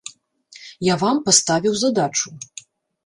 Я вам паставіў задачу.